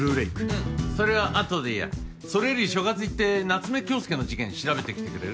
うんそれは後でいいやそれより所轄行って夏目恭輔の事件調べてきてくれる？